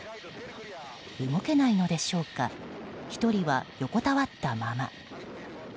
動けないのでしょうか１人は横たわったまま。